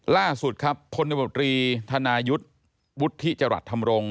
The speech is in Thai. ล่าสุดคลณบธนายุทธ์วุทธิจรรรทรรมรงค์